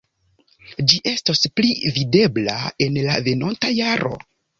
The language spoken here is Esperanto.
Ĝi estos pli videbla en la venonta jaro.